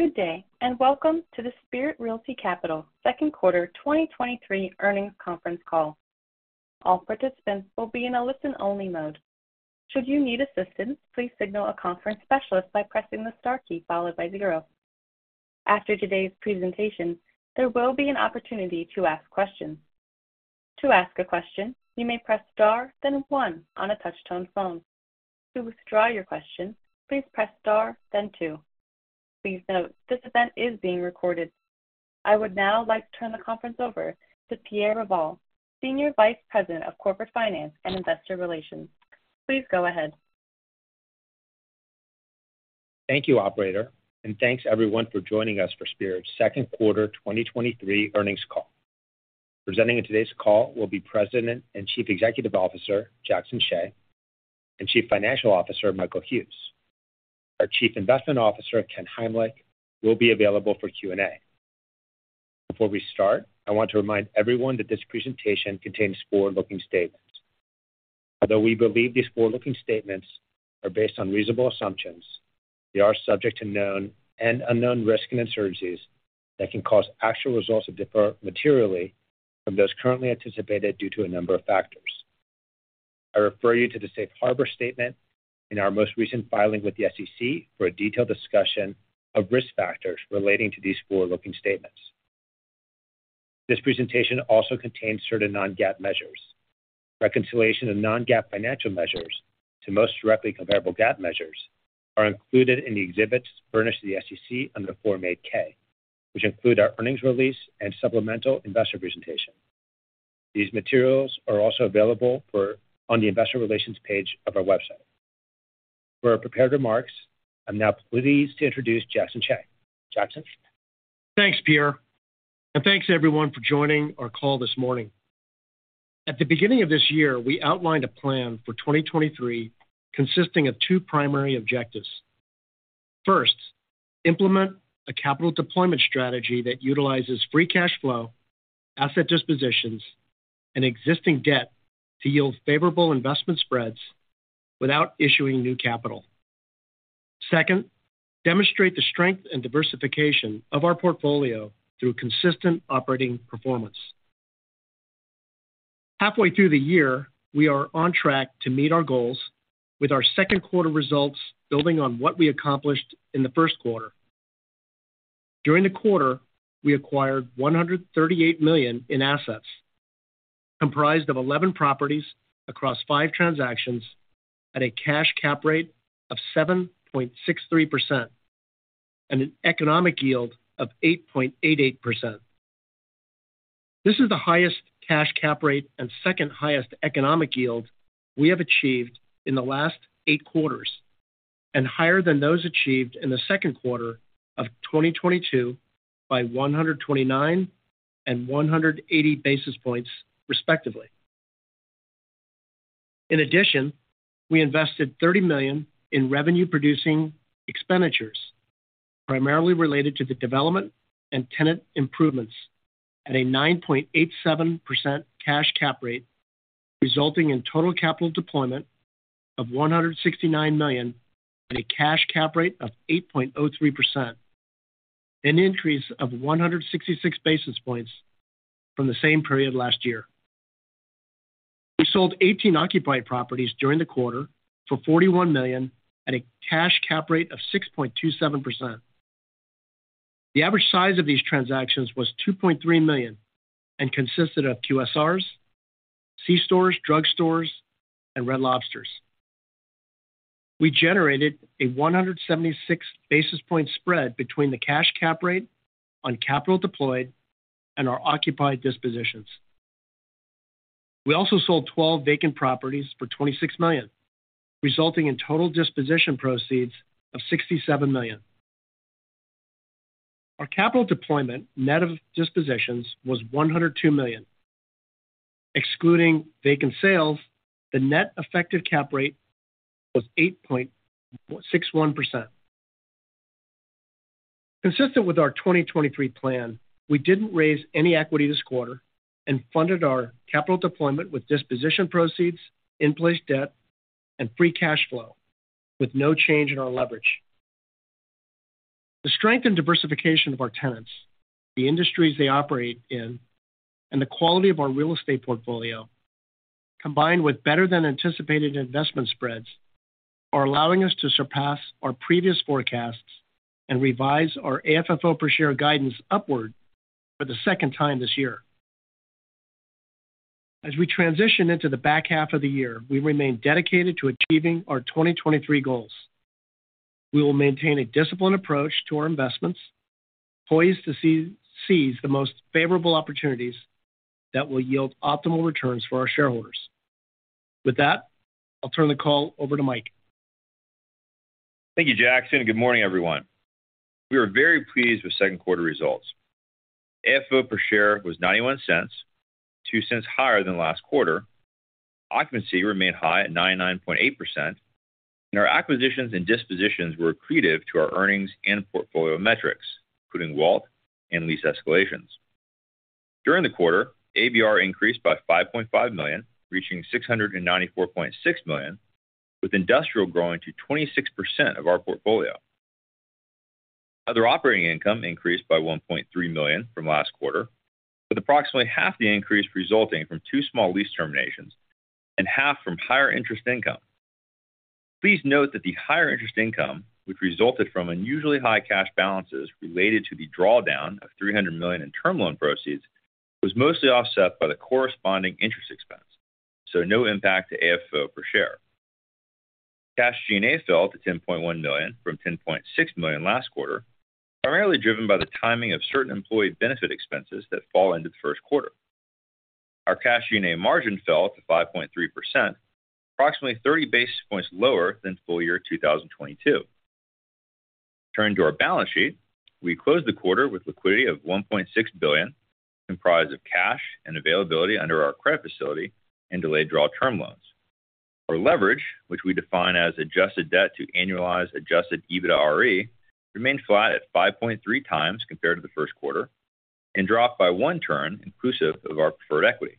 Good day, and welcome to the Spirit Realty Capital second quarter 2023 earnings conference call. All participants will be in a listen-only mode. Should you need assistance, please signal a conference specialist by pressing the star key followed by 0. After today's presentation, there will be an opportunity to ask questions. To ask a question, you may press Star, then 1 on a touchtone phone. To withdraw your question, please press Star, then 2. Please note, this event is being recorded. I would now like to turn the conference over to Pierre Revol, Senior Vice President, Corporate Finance and Investor Relations. Please go ahead. Thank you, operator, and thanks everyone for joining us for Spirit's Q2 2023 earnings call. Presenting in today's call will be President and Chief Executive Officer, Jackson Hsieh, and Chief Financial Officer, Michael Hughes. Our Chief Investment Officer, Ken Heimlich, will be available for Q&A. Before we start, I want to remind everyone that this presentation contains forward-looking statements. Although we believe these forward-looking statements are based on reasonable assumptions, they are subject to known and unknown risks and uncertainties that can cause actual results to differ materially from those currently anticipated due to a number of factors. I refer you to the safe harbor statement in our most recent filing with the SEC for a detailed discussion of risk factors relating to these forward-looking statements. This presentation also contains certain non-GAAP measures. Reconciliation of non-GAAP financial measures to most directly comparable GAAP measures are included in the exhibits furnished to the SEC under the Form 8-K, which include our earnings release and supplemental investor presentation. These materials are also available on the investor relations page of our website. For our prepared remarks, I'm now pleased to introduce Jackson Hsieh. Jackson? Thanks, Pierre, thanks everyone for joining our call this morning. At the beginning of this year, we outlined a plan for 2023 consisting of two primary objectives. First, implement a capital deployment strategy that utilizes free cash flow, asset dispositions, and existing debt to yield favorable investment spreads without issuing new capital. Second, demonstrate the strength and diversification of our portfolio through consistent operating performance. Halfway through the year, we are on track to meet our goals with our Q2 results building on what we accomplished in the Q1. During the quarter, we acquired $138 million in assets, comprised of 11 properties across five transactions at a cash cap rate of 7.63% and an economic yield of 8.88%. This is the highest cash cap rate and second highest economic yield we have achieved in the last eight quarters and higher than those achieved in the Q2 of 2022 by 129 and 180 basis points, respectively. In addition, we invested $30 million in revenue-producing expenditures, primarily related to the development and tenant improvements at a 9.87% cash cap rate, resulting in total capital deployment of $169 million at a cash cap rate of 8.03%, an increase of 166 basis points from the same period last year. We sold 18 occupied properties during the quarter for $41 million at a cash cap rate of 6.27%. The average size of these transactions was $2.3 million and consisted of QSRs, C-stores, drugstores, and Red Lobster. We generated a 176 basis point spread between the cash cap rate on capital deployed and our occupied dispositions. We also sold 12 vacant properties for $26 million, resulting in total disposition proceeds of $67 million. Our capital deployment, net of dispositions, was $102 million. Excluding vacant sales, the net effective cap rate was 8.61%. Consistent with our 2023 plan, we didn't raise any equity this quarter and funded our capital deployment with disposition proceeds, in-place debt, and free cash flow, with no change in our leverage. The strength and diversification of our tenants, the industries they operate in, and the quality of our real estate portfolio, combined with better-than-anticipated investment spreads, are allowing us to surpass our previous forecasts and revise our AFFO per share guidance upward for the second time this year. As we transition into the back half of the year, we remain dedicated to achieving our 2023 goals. We will maintain a disciplined approach to our investments, poised to seize the most favorable opportunities that will yield optimal returns for our shareholders. With that, I'll turn the call over to Mike. Thank you, Jackson. Good morning, everyone. We are very pleased with Q2 results. AFFO per share was $0.91, $0.02 higher than last quarter. Occupancy remained high at 99.8%. Our acquisitions and dispositions were accretive to our earnings and portfolio metrics, including WALT and lease escalations. During the quarter, ABR increased by $5.5 million, reaching $694.6 million, with industrial growing to 26% of our portfolio. Other operating income increased by $1.3 million from last quarter, with approximately half the increase resulting from two small lease terminations and half from higher interest income. Please note that the higher interest income, which resulted from unusually high cash balances related to the drawdown of $3 million in term loan proceeds, was mostly offset by the corresponding interest expense. No impact to AFFO per share. Cash G&A fell to $10.1 million from $10.6 million last quarter, primarily driven by the timing of certain employee benefit expenses that fall into the Q1. Our cash G&A margin fell to 5.3%, approximately 30 basis points lower than full year 2022. Turning to our balance sheet, we closed the quarter with liquidity of $1.6 billion, comprised of cash and availability under our credit facility and delayed draw term loans. Our leverage, which we define as adjusted debt to annualized adjusted EBITDARE, remained flat at 5.3x compared to the Q1 and dropped by one turn inclusive of our preferred equity.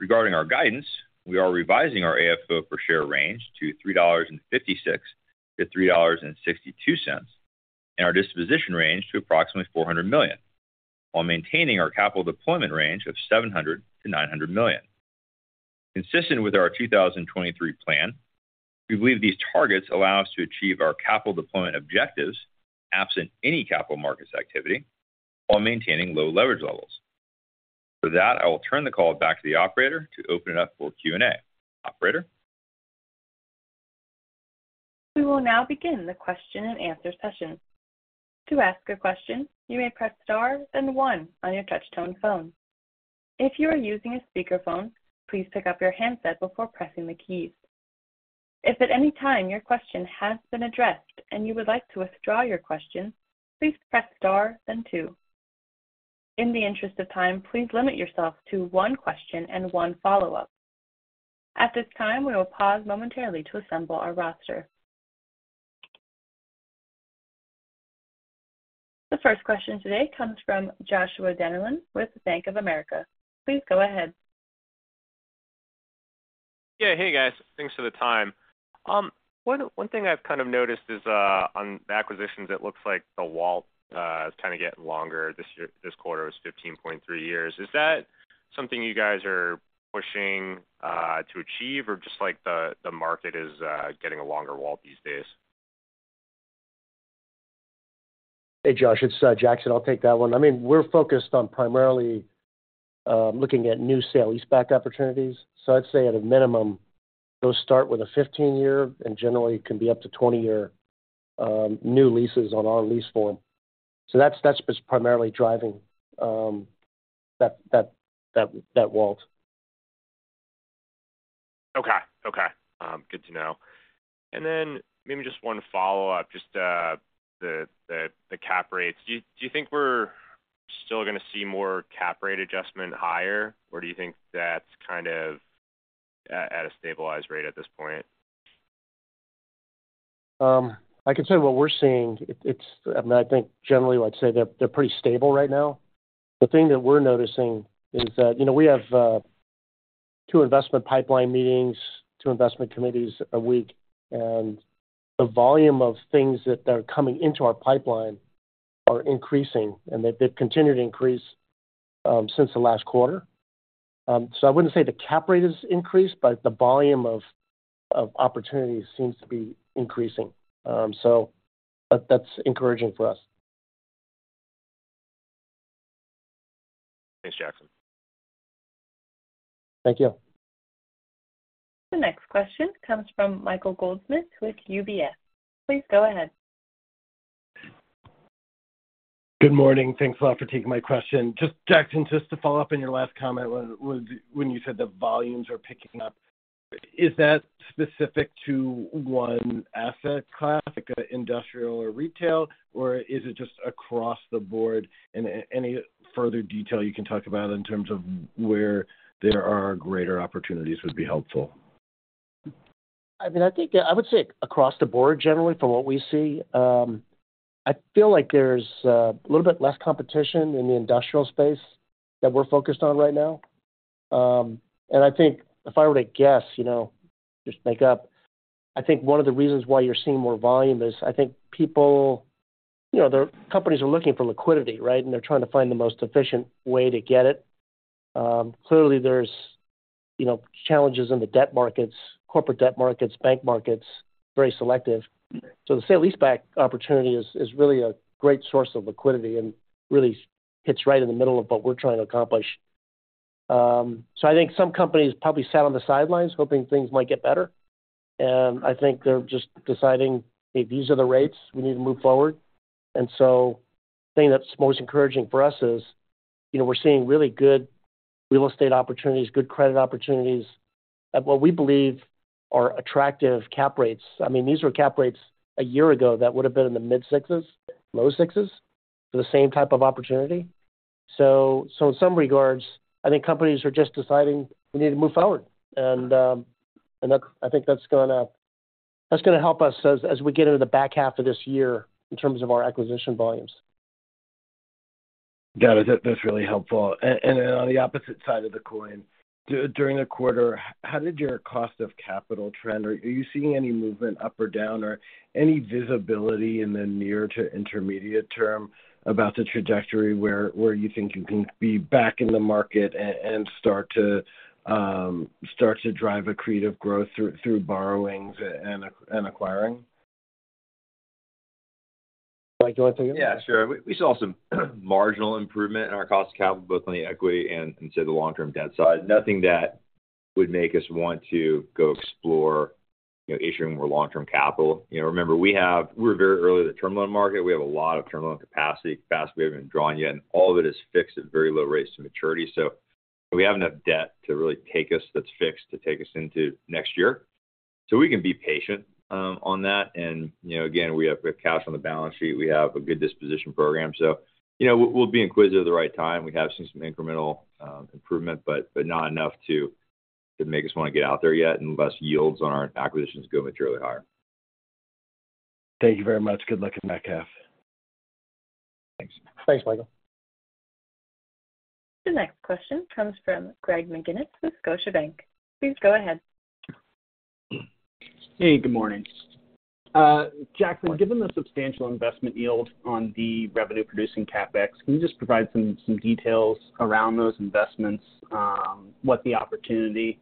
Regarding our guidance, we are revising our AFFO per share range to $3.56-$3.62, and our disposition range to approximately $400 million, while maintaining our capital deployment range of $700 million-$900 million. Consistent with our 2023 plan, we believe these targets allow us to achieve our capital deployment objectives, absent any capital markets activity, while maintaining low leverage levels. For that, I will turn the call back to the operator to open it up for Q&A. Operator? We will now begin the question-and-answer session. To ask a question, you may press star then one on your touchtone phone. If you are using a speakerphone, please pick up your handset before pressing the keys. If at any time your question has been addressed and you would like to withdraw your question, please press star then two. In the interest of time, please limit yourself to one question and one follow-up. At this time, we will pause momentarily to assemble our roster. The first question today comes from Joshua Dennerlein with Bank of America. Please go ahead. Yeah. Hey, guys. Thanks for the time. One, one thing I've kind of noticed is, on the acquisitions, it looks like the WALT is kind of getting longer. This quarter was 15.3 years. Is that something you guys are pushing to achieve, or just, like, the market is getting a longer WALT these days? Hey, Josh, it's Jackson. I'll take that one. I mean, we're focused on primarily looking at new sale leaseback opportunities. So I'd say at a minimum, those start with a 15 year and generally can be up to 20 year new leases on our lease form. So that's, that's primarily driving that, that, that, that WALT. Okay. Okay, good to know. Maybe just one follow-up, just, the, the, the cap rates. Do you, do you think we're still going to see more cap rate adjustment higher, or do you think that's kind of at, at a stabilized rate at this point? I can tell you what we're seeing. I mean, I think generally I'd say they're, they're pretty stable right now. The thing that we're noticing is that, you know, we have two investment pipeline meetings, two investment committees a week, and the volume of things that are coming into our pipeline are increasing, and they've continued to increase since the last quarter. I wouldn't say the cap rate has increased, but the volume of, of opportunities seems to be increasing. But that's encouraging for us. Thanks, Jackson. Thank you. The next question comes from Michael Goldsmith with UBS. Please go ahead. Good morning. Thanks a lot for taking my question. Jackson, just to follow up on your last comment, when you said the volumes are picking up, is that specific to one asset class, like industrial or retail, or is it just across the board? Any further detail you can talk about in terms of where there are greater opportunities would be helpful. I mean, I think I would say across the board, generally, from what we see. I feel like there's a little bit less competition in the industrial space that we're focused on right now. I think if I were to guess, you know, just make up, I think one of the reasons why you're seeing more volume is I think people... You know, the companies are looking for liquidity, right? They're trying to find the most efficient way to get it. Clearly there's, you know, challenges in the debt markets, corporate debt markets, bank markets, very selective. The sale leaseback opportunity is, is really a great source of liquidity and really hits right in the middle of what we're trying to accomplish. I think some companies probably sat on the sidelines hoping things might get better, and I think they're just deciding, "If these are the rates, we need to move forward." The thing that's most encouraging for us is, you know, we're seeing really good real estate opportunities, good credit opportunities at what we believe are attractive cap rates. I mean, these were cap rates a year ago that would have been in the mid six, low six, for the same type of opportunity. In some regards, I think companies are just deciding we need to move forward. I think that's going to help us as, as we get into the back half of this year in terms of our acquisition volumes. Got it. That, that's really helpful. Then on the opposite side of the coin, during the quarter, how did your cost of capital trend? Are you seeing any movement up or down, or any visibility in the near to intermediate term about the trajectory where, where you think you can be back in the market and start to, start to drive accretive growth through, through borrowings and acquiring? Mike, do you want to take it? Yeah, sure. We, we saw some marginal improvement in our cost of capital, both on the equity and into the long-term debt side. Nothing that would make us want to go explore, you know, issuing more long-term capital. You know, remember, we're very early in the term loan market. We have a lot of term loan capacity, capacity we haven't drawn yet, and all of it is fixed at very low rates to maturity. We have enough debt to really take us, that's fixed, to take us into next year. We can be patient on that. You know, again, we have, we have cash on the balance sheet. We have a good disposition program. You know, we'll, we'll be inquisitive at the right time. We have seen some incremental improvement, but not enough to make us want to get out there yet, unless yields on our acquisitions go materially higher. Thank you very much. Good luck in the back half. Thanks. Thanks, Michael. The next question comes from Greg McGinniss with Scotiabank. Please go ahead. Hey, good morning. Jackson, given the substantial investment yield on the revenue-producing CapEx, can you just provide some, some details around those investments, what the opportunity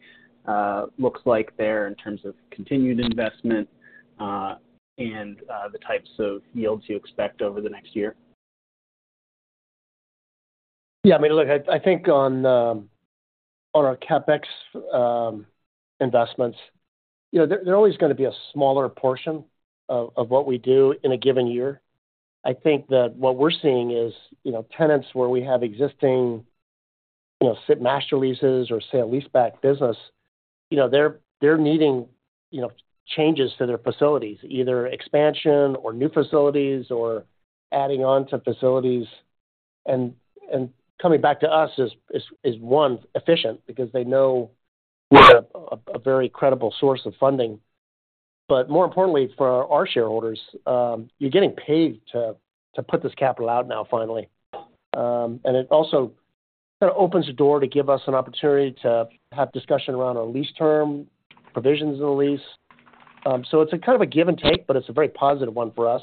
looks like there in terms of continued investment, and the types of yields you expect over the next year? Yeah, I mean, look, I, I think on, on our CapEx investments, you know, they're, they're always going to be a smaller portion of, of what we do in a given year. I think that what we're seeing is, you know, tenants where we have existing, you know, sit master leases or, say, a leaseback business, you know, they're, they're needing, you know, changes to their facilities, either expansion or new facilities or adding on to facilities. And, and coming back to us is, is, is, one, efficient because they know we're a, a very credible source of funding. But more importantly for our shareholders, you're getting paid to, to put this capital out now, finally. And it also kind of opens the door to give us an opportunity to have discussion around our lease term, provisions in the lease. It's a kind of a give and take, but it's a very positive one for us.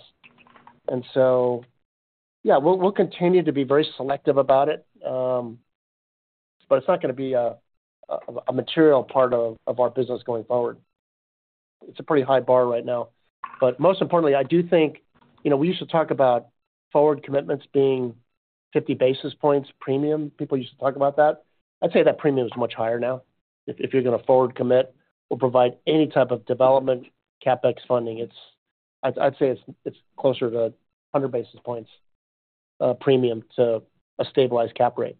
Yeah, we'll, we'll continue to be very selective about it. It's not going to be a, a, a material part of, of our business going forward. It's a pretty high bar right now. Most importantly, I do think, you know, we used to talk about forward commitments being 50 basis points premium. People used to talk about that. I'd say that premium is much higher now. If, if you're going to forward commit or provide any type of development, CapEx funding, I'd, I'd say it's, it's closer to 100 basis points premium to a stabilized cap rate.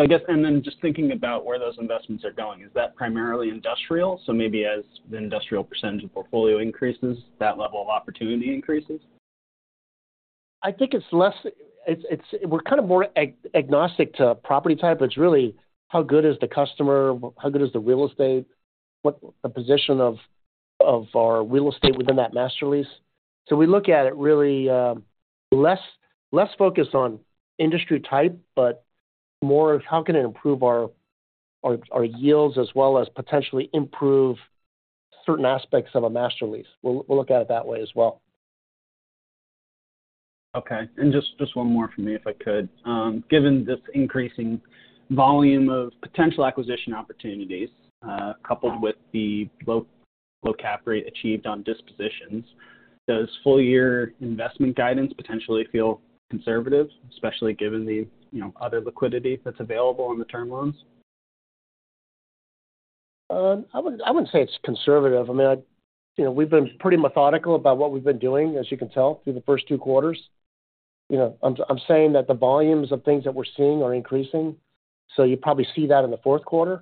I guess, and then just thinking about where those investments are going, is that primarily industrial? Maybe as the industrial percentage of portfolio increases, that level of opportunity increases? I think it's less. We're kind of more agnostic to property type. It's really how good is the customer, how good is the real estate, what the position of our real estate within that master lease. We look at it really less focused on industry type, but more of how can it improve our yields, as well as potentially improve certain aspects of a master lease. We'll look at it that way as well. Okay. Just, just one more from me, if I could. Given this increasing volume of potential acquisition opportunities, coupled with the low, low cap rate achieved on dispositions, does full year investment guidance potentially feel conservative, especially given the, you know, other liquidity that's available on the term loans? I wouldn't, I wouldn't say it's conservative. I mean, you know, we've been pretty methodical about what we've been doing, as you can tell through the first two quarters. You know, I'm, I'm saying that the volumes of things that we're seeing are increasing, so you probably see that in the Q4.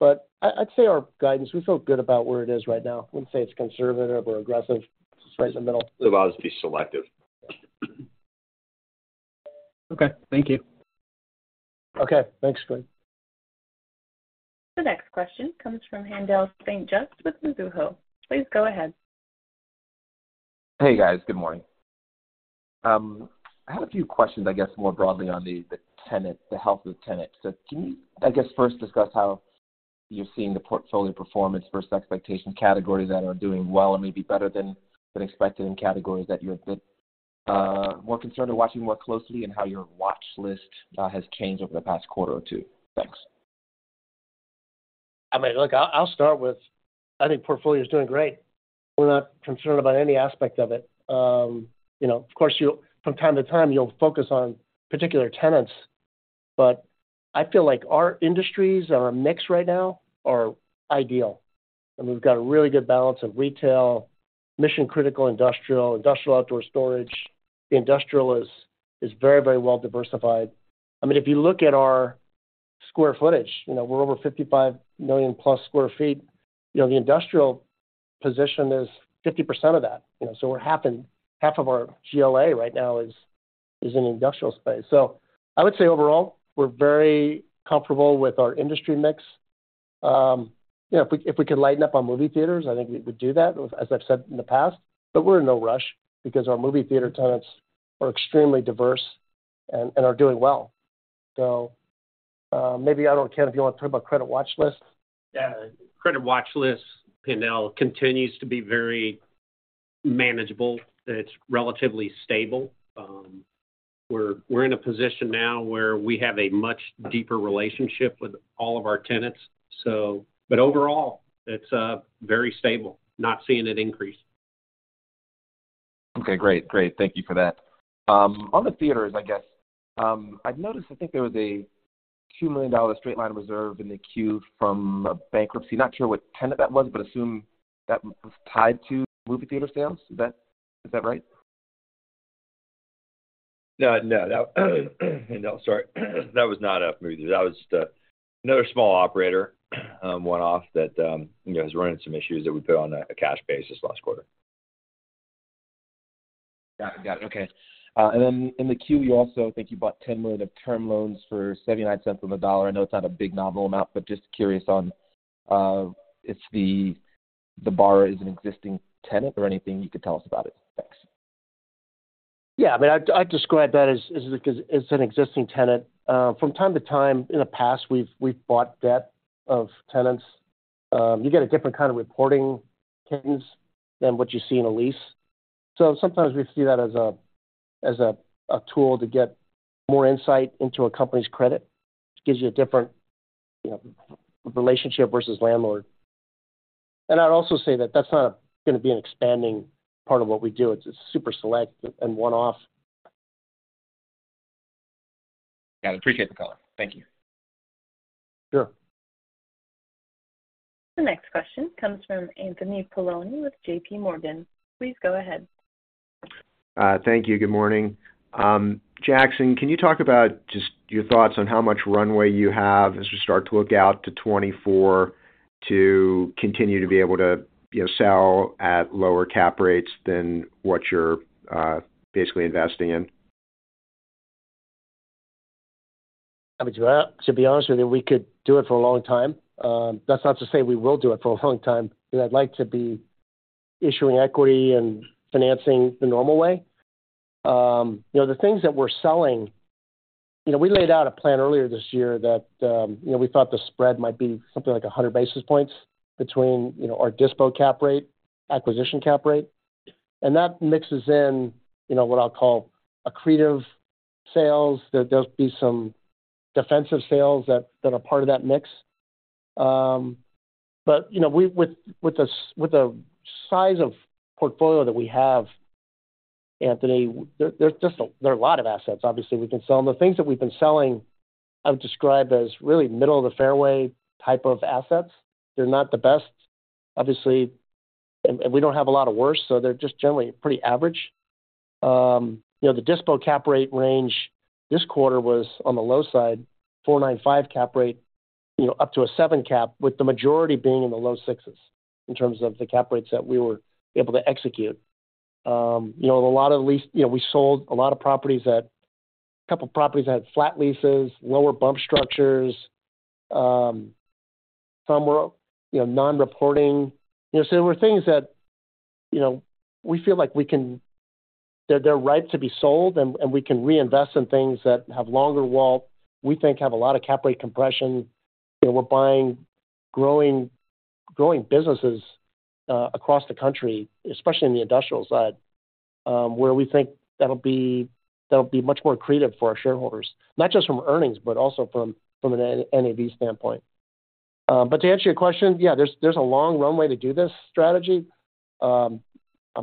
I, I'd say our guidance, we feel good about where it is right now. I wouldn't say it's conservative or aggressive. It's right in the middle. Allows us to be selective. Okay. Thank you. Okay. Thanks, Greg. The next question comes from Haendel St. Juste with Mizuho Securities. Please go ahead. Hey, guys. Good morning. I had a few questions, I guess, more broadly on the, the tenant, the health of the tenant. Can you, I guess, first discuss how you're seeing the portfolio performance versus expectation categories that are doing well and maybe better than, than expected, and categories that you're a bit more concerned or watching more closely, and how your watch list has changed over the past quarter or two? Thanks. I mean, look, I'll, I'll start with, I think portfolio is doing great. We're not concerned about any aspect of it. You know, of course, from time to time, you'll focus on particular tenants, but I feel like our industries and our mix right now are ideal. We've got a really good balance of retail, mission-critical industrial, industrial outdoor storage. Industrial is, is very, very well diversified. I mean, if you look at our square footage, you know, we're over 55 million-plus sq ft. You know, the industrial position is 50% of that. You know, we're half of our GLA right now is, is in industrial space. I would say overall, we're very comfortable with our industry mix. You know, if we, if we could lighten up on movie theaters, I think we would do that, as I've said in the past. We're in no rush because our movie theater tenants are extremely diverse and, and are doing well. Maybe I don't know, Ken, if you want to talk about credit watch list. Yeah. Credit watch list, pin now continues to be very manageable. It's relatively stable. We're in a position now where we have a much deeper relationship with all of our tenants, so. Overall, it's very stable, not seeing it increase. Okay, great. Great. Thank you for that. On the theaters, I guess, I've noticed, I think there was a $2 million straight line reserve in the queue from a bankruptcy. Not sure what tenant that was, but assume that was tied to movie theater sales. Is that, is that right? No, no, that, no, sorry. That was not a movie. That was just another small operator, one-off that, you know, was running some issues that we put on a, a cash basis last quarter. Got it. Got it. Okay. Then in the queue, you also think you bought $10 million of term loans for $0.79 on the dollar. I know it's not a big novel amount, but just curious on, if the, the borrower is an existing tenant or anything you could tell us about it? Thanks. Yeah, I mean, I'd, I'd describe that as, as, as an existing tenant. From time to time, in the past, we've, we've bought debt of tenants. You get a different kind of reporting tenants than what you see in a lease. Sometimes we see that as a, as a, a tool to get more insight into a company's credit, which gives you a different, you know, relationship versus landlord. I'd also say that that's not going to be an expanding part of what we do. It's super select and one-off. Yeah, I appreciate the call. Thank you. Sure. The next question comes from Anthony Paolone with J.P. Morgan. Please go ahead. Thank you. Good morning. Jackson, can you talk about just your thoughts on how much runway you have as you start to look out to 2024, to continue to be able to, you know, sell at lower cap rates than what you're basically investing in? I mean, to be honest with you, we could do it for a long time. That's not to say we will do it for a long time, because I'd like to be issuing equity and financing the normal way. You know, the things that we're selling. You know, we laid out a plan earlier this year that, you know, we thought the spread might be something like 100 basis points between, you know, our dispo cap rate, acquisition cap rate. That mixes in, you know, what I'll call accretive sales. There does be some defensive sales that, that are part of that mix. But, you know, we, with, with the size of portfolio that we have, Anthony, there, there are a lot of assets, obviously, we can sell. The things that we've been selling, I would describe as really middle-of-the-fairway type of assets. They're not the best, obviously, and, and we don't have a lot of worse, so they're just generally pretty average. You know, the dispo cap rate range this quarter was on the low side, 4.95 cap rate, you know, up to a seven cap, with the majority being in the low six, in terms of the cap rates that we were able to execute. You know, we sold a lot of properties that. A couple properties that had flat leases, lower bump structures, some were, you know, non-reporting. You know, there were things that, you know, we feel like they're ripe to be sold, and we can reinvest in things that have longer WALT, we think have a lot of cap rate compression. You know, we're buying, growing, growing businesses across the country, especially in the industrial side, where we think that'll be, that'll be much more accretive for our shareholders, not just from earnings, but also from NAV standpoint. To answer your question, yeah, there's, there's a long runway to do this strategy.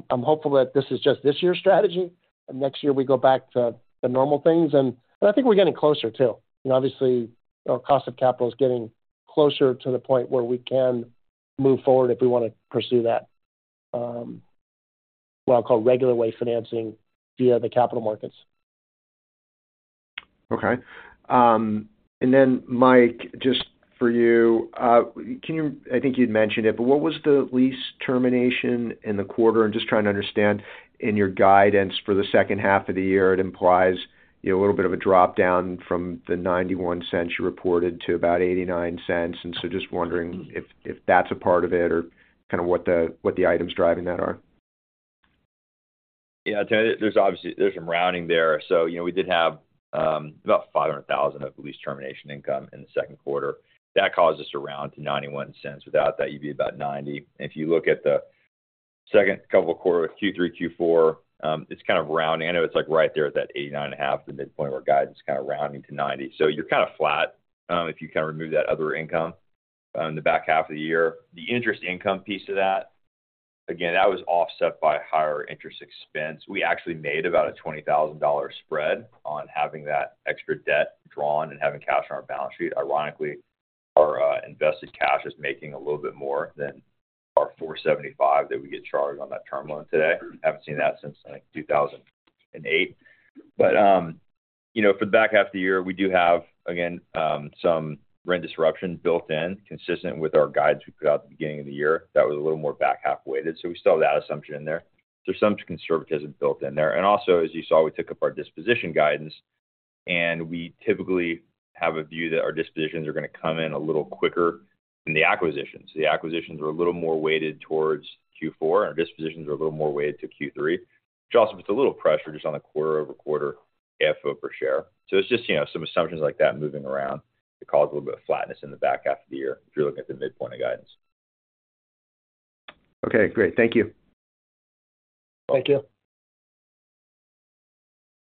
I'm hopeful that this is just this year's strategy, and next year we go back to the normal things. I think we're getting closer, too. You know, obviously, our cost of capital is getting closer to the point where we can move forward if we want to pursue that, what I'll call regular way financing via the capital markets. Okay. And then, Mike, just for you, can you, I think you'd mentioned it, but what was the lease termination in the quarter? I'm just trying to understand in your guidance for the second half of the year, it implies, you know, a little bit of a drop-down from the $0.91 you reported to about $0.89. Just wondering if, if that's a part of it or kind of what the, what the items driving that are. Yeah, there's obviously, there's some rounding there. You know, we did have about $500,000 of lease termination income in the Q2. That caused us to round to $0.91. Without that, you'd be about $0.90. If you look at the second couple of quarter, Q3, Q4, it's kind of rounding. I know it's like right there at that $0.895, the midpoint where guidance is kind of rounding to $0.90. You're kind of flat, if you kind of remove that other income in the back half of the year. The interest income piece of that, again, that was offset by higher interest expense. We actually made about a $20,000 spread on having that extra debt drawn and having cash on our balance sheet. Ironically, our, invested cash is making a little bit more than our 4.75% that we get charged on that term loan today. Haven't seen that since, I think, 2008. You know, for the back half of the year, we do have, again, some rent disruption built in, consistent with our guides we put out at the beginning of the year. That was a little more back half weighted, so we still have that assumption in there. There's some conservatism built in there. Also, as you saw, we took up our disposition guidance, and we typically have a view that our dispositions are gonna come in a little quicker than the acquisitions. The acquisitions are a little more weighted towards Q4, and our dispositions are a little more weighted to Q3, which also puts a little pressure just on the quarter-over-quarter AFFO per share. It's just, you know, some assumptions like that moving around that cause a little bit of flatness in the back half of the year, if you're looking at the midpoint of guidance. Okay, great. Thank you. Thank you.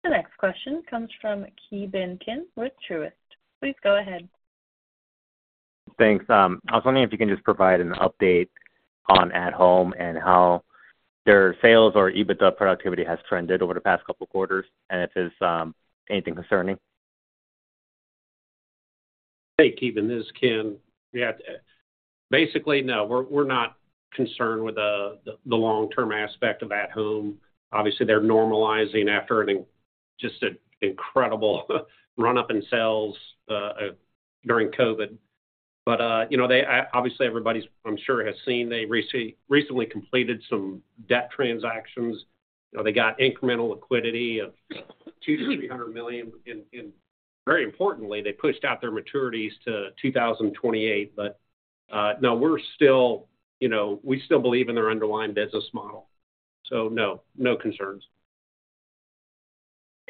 The next question comes from Ki Bin Kim with Truist. Please go ahead. Thanks. I was wondering if you can just provide an update on At Home and how their sales or EBITDA productivity has trended over the past couple of quarters, and if it's anything concerning? Hey, Ki Bin, this is Ken. Yeah, basically, no, we're, we're not concerned with the long-term aspect of At Home. Obviously, they're normalizing after an, just an incredible run-up in sales during COVID. You know, they obviously, everybody, I'm sure, has seen, they recently completed some debt transactions. You know, they got incremental liquidity of $200 million-$300 million. Very importantly, they pushed out their maturities to 2028. No, we're still, you know, we still believe in their underlying business model, so no, no concerns.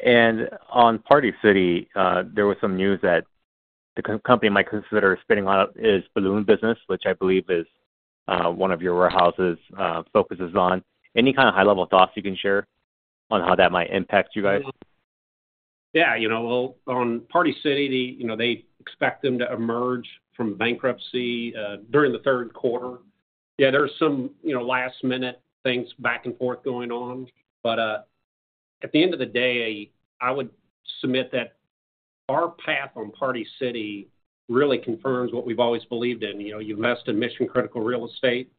On Party City, there was some news that the company might consider spinning out its balloon business, which I believe is one of your warehouses, focuses on. Any kind of high-level thoughts you can share on how that might impact you guys? Yeah, you know, well, on Party City, you know, they expect them to emerge from bankruptcy during the Q3. Yeah, there are some, you know, last-minute things back and forth going on. At the end of the day, I would submit that our path on Party City really confirms what we've always believed in. You know, you invest in mission-critical real estate,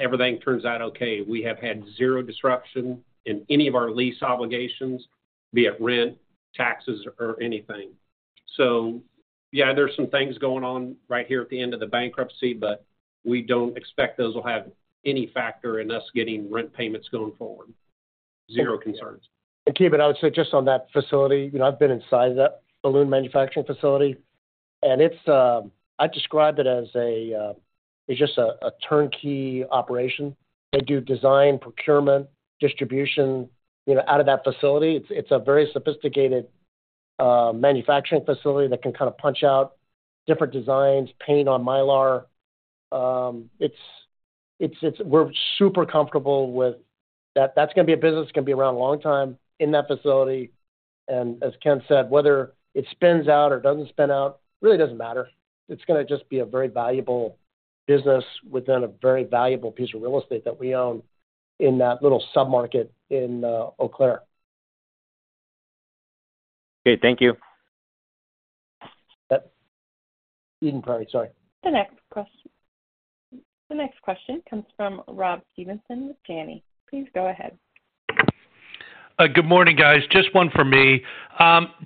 everything turns out okay. We have had zero disruption in any of our lease obligations, be it rent, taxes, or anything. Yeah, there's some things going on right here at the end of the bankruptcy, but we don't expect those will have any factor in us getting rent payments going forward. Zero concerns. Keeben, I would say just on that facility, you know, I've been inside that balloon manufacturing facility, and it's, I describe it as a, it's just a, a turnkey operation. They do design, procurement, distribution, you know, out of that facility. It's, it's a very sophisticated, manufacturing facility that can kind of punch out different designs, paint on Mylar. It's, it's, it's, we're super comfortable with... That's gonna be a business that's gonna be around a long time in that facility. As Ken said, whether it spins out or doesn't spin out, really doesn't matter. It's gonna just be a very valuable business within a very valuable piece of real estate that we own in that little submarket in, Eau Claire. Okay, thank you. Yep. Eden Prairie, sorry. The next question comes from Rob Stevenson with Janney. Please go ahead. Good morning, guys. Just one for me.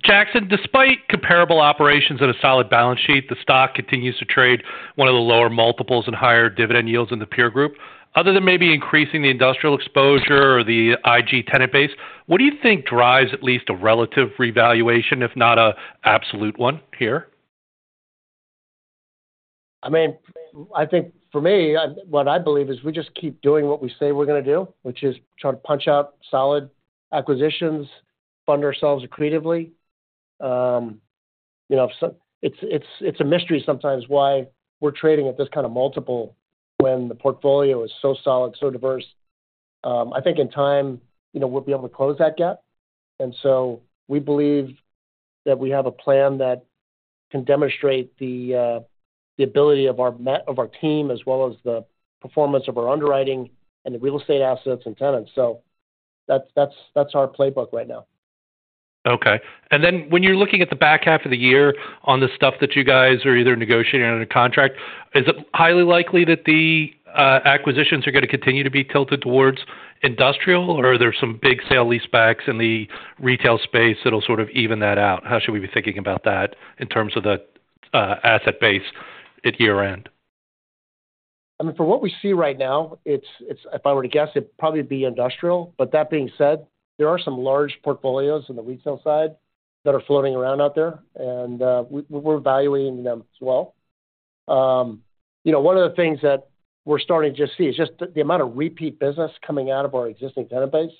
Jackson, despite comparable operations and a solid balance sheet, the stock continues to trade one of the lower multiples and higher dividend yields in the peer group. Other than maybe increasing the industrial exposure or the IG tenant base, what do you think drives at least a relative revaluation, if not an absolute one here? I mean, I think for me, what I believe is we just keep doing what we say we're gonna do, which is try to punch out solid acquisitions, fund ourselves accretively. You know, so it's, it's, it's a mystery sometimes why we're trading at this kind of multiple when the portfolio is so solid, so diverse. I think in time, you know, we'll be able to close that gap. We believe that we have a plan that can demonstrate the ability of our team, as well as the performance of our underwriting and the real estate assets and tenants. That's, that's, that's our playbook right now. Okay. Then when you're looking at the back half of the year on the stuff that you guys are either negotiating under contract, is it highly likely that the acquisitions are gonna continue to be tilted towards industrial, or are there some big sale-leasebacks in the retail space that'll sort of even that out? How should we be thinking about that in terms of the asset base at year-end? I mean, from what we see right now, it's, if I were to guess, it'd probably be industrial. But that being said, there are some large portfolios in the retail side that are floating around out there, and we're evaluating them as well. You know, one of the things that we're starting to just see is just the amount of repeat business coming out of our existing tenant base.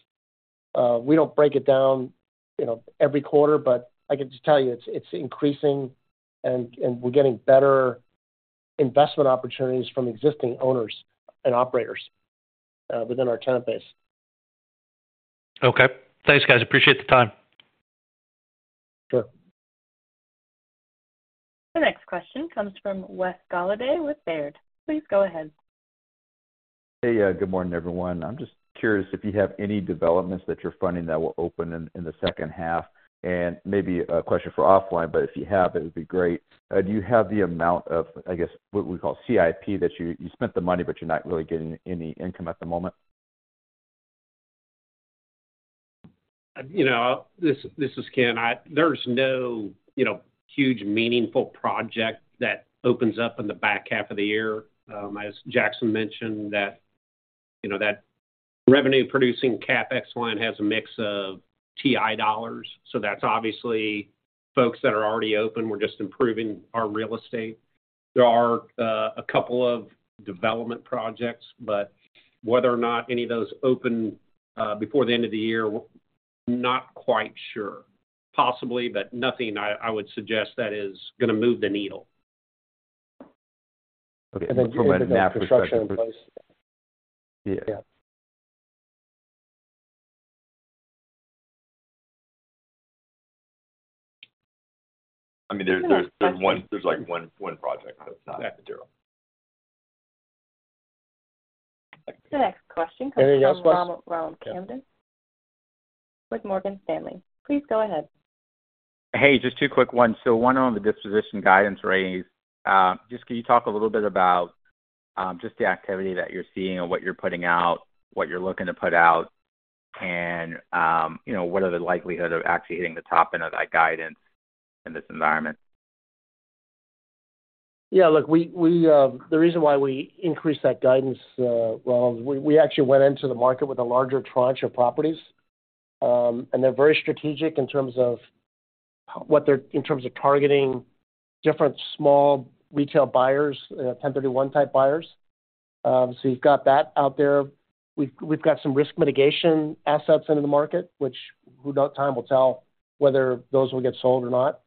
We don't break it down, you know, every quarter, but I can just tell you, it's increasing and we're getting better investment opportunities from existing owners and operators within our tenant base. Okay. Thanks, guys. Appreciate the time. Sure. The next question comes from Wes Golladay with Baird. Please go ahead. Hey, good morning, everyone. I'm just curious if you have any developments that you're funding that will open in, in the second half, and maybe a question for offline, but if you have, it would be great. Do you have the amount of, I guess, what we call CIP, that you, you spent the money, but you're not really getting any income at the moment? You know, this, this is Ken. There's no, you know, huge meaningful project that opens up in the back half of the year. As Jackson mentioned, that, you know, that revenue-producing CapEx line has a mix of TI dollars, so that's obviously folks that are already open. We're just improving our real estate. There are a couple of development projects, but whether or not any of those open before the end of the year, we're not quite sure. Possibly, but nothing I, I would suggest that is gonna move the needle. Okay. Then provide a map for- Construction in place. Yeah. Yeah. I mean, there's one project, but it's not material. The next question comes from- Any other questions? Ronald Kamdem with Morgan Stanley. Please go ahead. Hey, just two quick ones. One on the disposition guidance raised. Just can you talk a little bit about just the activity that you're seeing or what you're putting out, what you're looking to put out? You know, what are the likelihood of actually hitting the top end of that guidance in this environment? Yeah, look, we. The reason why we increased that guidance, well, we actually went into the market with a larger tranche of properties. And they're very strategic in terms of what they're-- in terms of targeting different small retail buyers, 1031 type buyers. So we've got that out there. We've got some risk mitigation assets into the market, which, who know, time will tell whether those will get sold or not.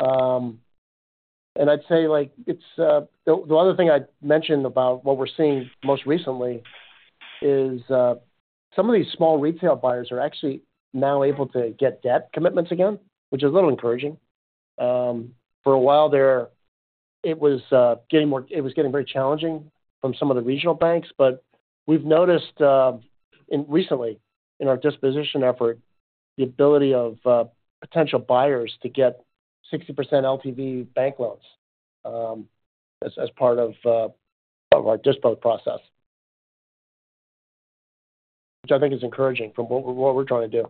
And I'd say, like, it's, the other thing I'd mention about what we're seeing most recently is, some of these small retail buyers are actually now able to get debt commitments again, which is a little encouraging. For a while there, it was getting more-- it was getting very challenging from some of the regional banks, but we've noticed, in recently, in our disposition effort, the ability of potential buyers to get 60% LTV bank loans, as, as part of our dispo process. Which I think is encouraging from what, what we're trying to do.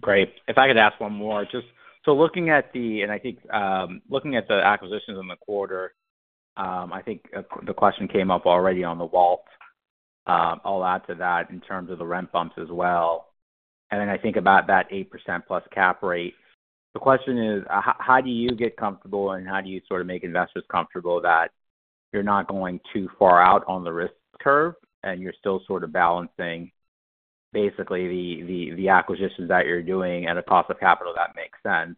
Great. If I could ask one more. I think looking at the acquisitions in the quarter, I think the question came up already on the WALT. I'll add to that in terms of the rent bumps as well, and then I think about that 8%+ cap rate. The question is, how, how do you get comfortable, and how do you sort of make investors comfortable that you're not going too far out on the risk curve, and you're still sort of balancing basically the, the, the acquisitions that you're doing at a cost of capital that makes sense,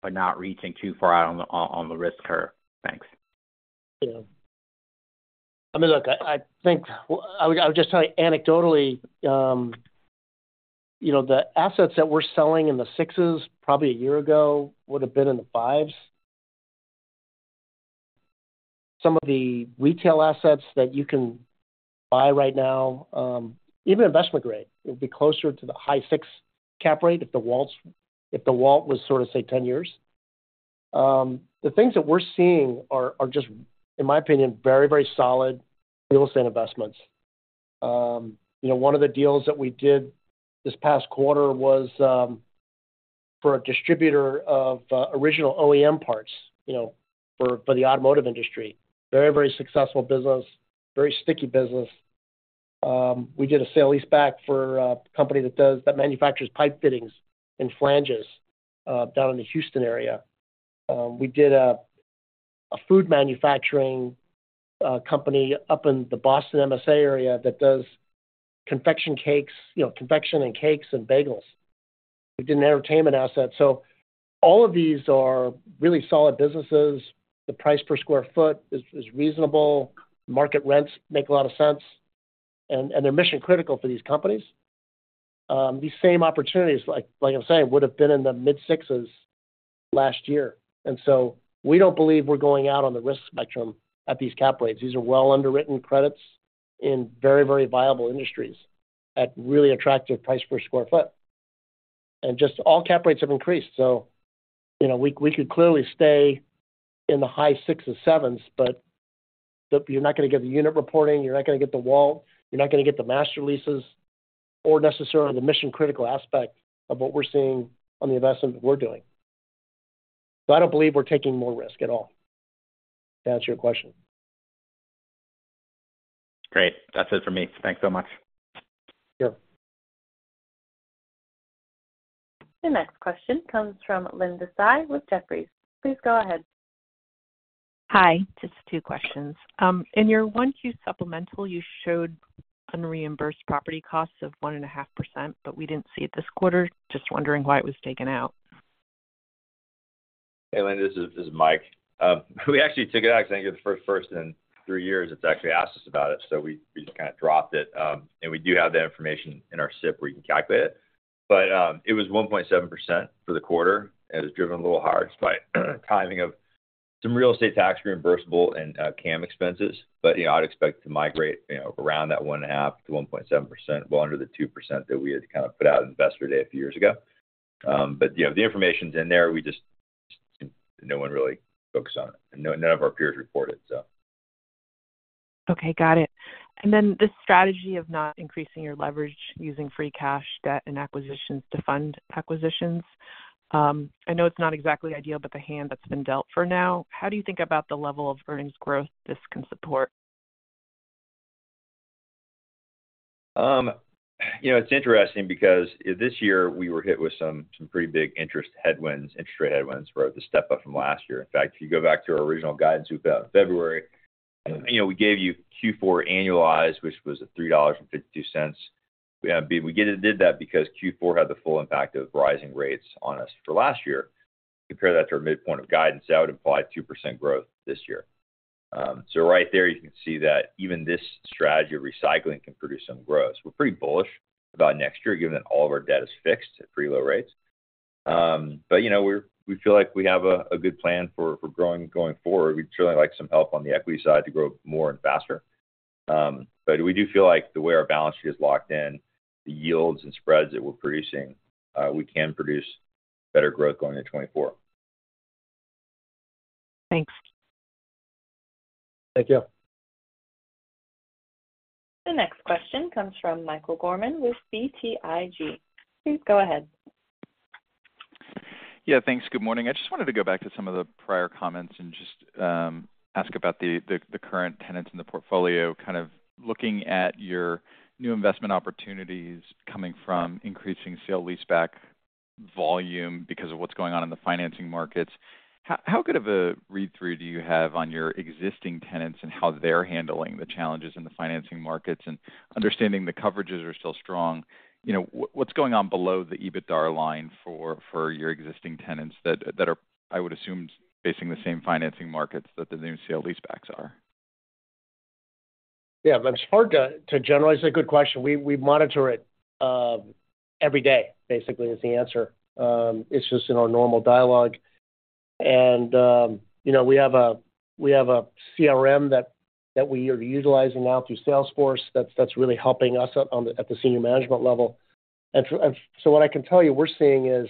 but not reaching too far out on the, on, on the risk curve? Thanks. Yeah. I mean, look, I, I think... I would, I would just tell you anecdotally, you know, the assets that we're selling in the sixes, probably a year ago, would have been in the fives. Some of the retail assets that you can buy right now, even investment grade, it would be closer to the high six cap rate if the WALT was sort of, say, 10 years. The things that we're seeing are, are just, in my opinion, very, very solid real estate investments. You know, one of the deals that we did this past quarter was for a distributor of original OEM parts, you know, for, for the automotive industry. Very, very successful business, very sticky business. We did a sale-leaseback for a company that manufactures pipe fittings and flanges down in the Houston area. We did a food manufacturing company up in the Boston MSA area that does confection cakes, you know, confection and cakes and bagels. We did an entertainment asset. All of these are really solid businesses. The price per square foot is reasonable, market rents make a lot of sense, and they're mission-critical for these companies. These same opportunities, like, like I'm saying, would have been in the mid-sixes last year, we don't believe we're going out on the risk spectrum at these cap rates. These are well underwritten credits in very, very viable industries at really attractive price per square foot. Just all cap rates have increased, so, you know, we, we could clearly stay in the high sixes, sevens, but you're not going to get the unit reporting, you're not going to get the WALT, you're not going to get the master leases or necessarily the mission-critical aspect of what we're seeing on the investment that we're doing. I don't believe we're taking more risk at all, to answer your question. Great. That's it for me. Thanks so much. Sure. The next question comes from Linda Tsai with Jefferies. Please go ahead. Hi. Just two questions. In your Q1 supplemental, you showed unreimbursed property costs of 1.5%, but we didn't see it this quarter. Just wondering why it was taken out. Hey, Linda, this is, this is Mike. We actually took it out because I think you're the first person in three years that's actually asked us about it, so we, we just kind of dropped it. We do have that information in our SIP, where you can calculate it. It was 1.7% for the quarter, and it was driven a little higher just by timing of some real estate tax reimbursable and CAM expenses. you know, I'd expect to migrate, you know, around that 1.5% - 1.7%, well, under the 2% that we had to kind of put out Investor Day a few years ago. you know, the information's in there. We just- No one really focused on it. None, none of our peers report it, so. Okay, got it. Then this strategy of not increasing your leverage using free cash, debt, and acquisitions to fund acquisitions, I know it's not exactly ideal, but the hand that's been dealt for now, how do you think about the level of earnings growth this can support? you know, it's interesting because this year we were hit with some, some pretty big interest headwinds, interest rate headwinds for the step up from last year. In fact, if you go back to our original guidance we put out in February, you know, we gave you Q4 annualized, which was $3.52. We, we get it did that because Q4 had the full impact of rising rates on us for last year. Compare that to our midpoint of guidance, that would imply 2% growth this year. Right there, you can see that even this strategy of recycling can produce some growth. We're pretty bullish about next year, given that all of our debt is fixed at pretty low rates. You know, we feel like we have a, a good plan for, for growing going forward. We'd certainly like some help on the equity side to grow more and faster. We do feel like the way our balance sheet is locked in, the yields and spreads that we're producing, we can produce better growth going into 2024. Thanks. Thank you. The next question comes from Michael Gorman with BTIG. Please go ahead. Yeah, thanks. Good morning. I just wanted to go back to some of the prior comments and just ask about the, the, the current tenants in the portfolio. Kind of looking at your new investment opportunities coming from increasing sale leaseback volume because of what's going on in the financing markets. How, how good of a read-through do you have on your existing tenants and how they're handling the challenges in the financing markets? Understanding the coverages are still strong, you know, what's going on below the EBITDA line for your existing tenants that are, I would assume, facing the same financing markets that the new sale leasebacks are? Yeah, it's hard to, to generalize. A good question. We, we monitor it, every day, basically, is the answer. It's just in our normal dialogue and, you know, we have a, we have a CRM that, that we are utilizing now through Salesforce that's, that's really helping us at the senior management level. So what I can tell you, we're seeing is,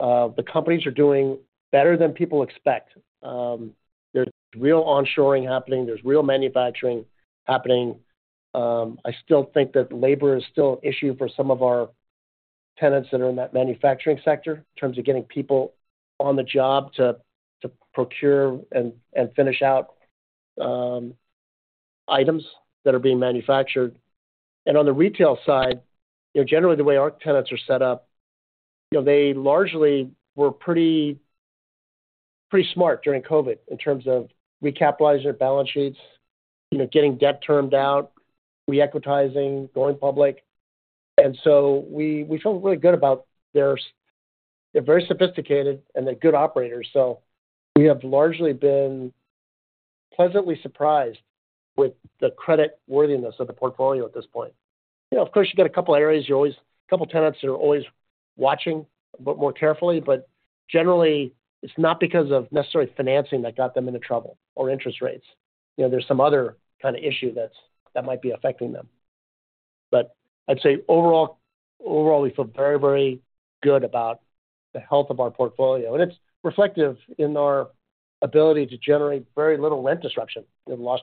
the companies are doing better than people expect. There's real onshoring happening. There's real manufacturing happening. I still think that labor is still an issue for some of our tenants that are in that manufacturing sector, in terms of getting people on the job to, to procure and, and finish out, items that are being manufactured. On the retail side, you know, generally the way our tenants are set up, you know, they largely were pretty, pretty smart during COVID in terms of recapitalizing their balance sheets, you know, getting debt termed out, re-equitizing, going public. So we, we feel really good about They're very sophisticated, and they're good operators, so we have largely been pleasantly surprised with the credit worthiness of the portfolio at this point. You know, of course, you got a couple of areas, a couple of tenants that are always watching, but more carefully. Generally, it's not because of necessarily financing that got them into trouble or interest rates. You know, there's some other kind of issue that's, that might be affecting them. I'd say overall, overall, we feel very, very good about the health of our portfolio, and it's reflective in our ability to generate very little rent disruption. The loss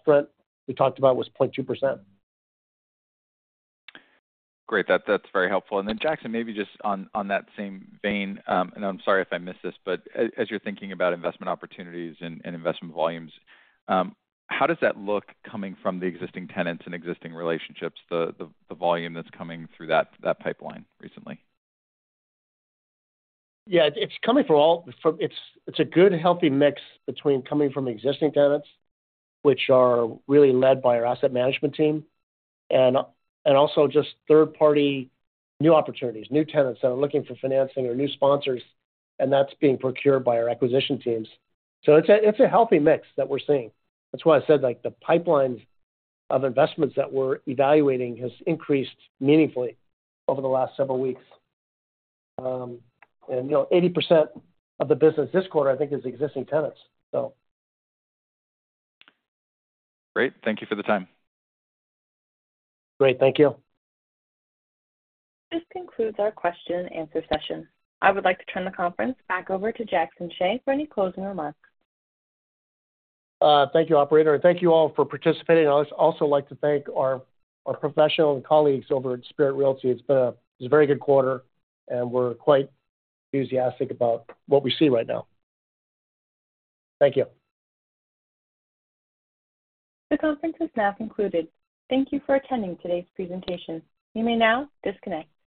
rent we talked about was 0.2%. Great. That, that's very helpful. Then, Jackson, maybe just on, on that same vein, and I'm sorry if I missed this, but as you're thinking about investment opportunities and, and investment volumes, how does that look coming from the existing tenants and existing relationships, the volume that's coming through that, that pipeline recently? Yeah, it's, it's a good, healthy mix between coming from existing tenants, which are really led by our asset management team, and, and also just third-party new opportunities, new tenants that are looking for financing or new sponsors, and that's being procured by our acquisition teams. It's a, it's a healthy mix that we're seeing. That's why I said, like, the pipelines of investments that we're evaluating has increased meaningfully over the last several weeks. You know, 80% of the business this quarter, I think, is existing tenants, so. Great. Thank you for the time. Great. Thank you. This concludes our question and answer session. I would like to turn the conference back over to Jackson Hsieh for any closing remarks. Thank you, operator, and thank you all for participating. I would also like to thank our professional colleagues over at Spirit Realty. It's been a very good quarter, and we're quite enthusiastic about what we see right now. Thank you. The conference is now concluded. Thank you for attending today's presentation. You may now disconnect.